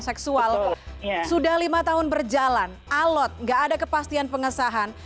seksual sudah lima tahun berjalan alot gak ada kepastian pengesahan